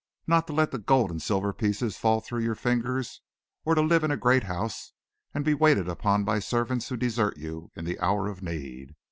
Not to let the gold and silver pieces fall through your fingers, or to live in a great house and be waited upon by servants who desert you in the hour of need.